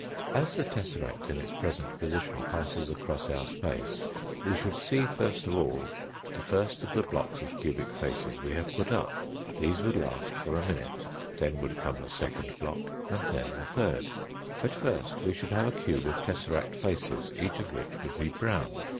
As the tesseract in its present position passes across our space, we should see first of all the first of the blocks 244 THE FOURTH DIMENSION of cubic faces we have put up these would last for a minute, then would come the second block and then the third. At first we should have a cube of tesseract faces, each of which would be brown.